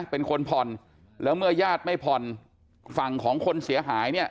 เป็นคนผ่อนแล้วเมื่อญาติไม่ผ่อนฝั่งของคนเสียหายเนี่ย